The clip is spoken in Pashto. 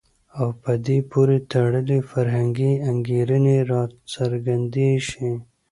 او په دې پورې تړلي فرهنګي انګېرنې راڅرګندې شي.